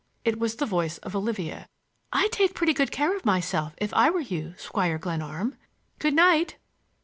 —it was the voice of Olivia. "I'd take pretty good care of myself if I were you, Squire Glenarm. Good night!"